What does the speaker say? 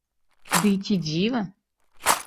Ды і ці дзіва!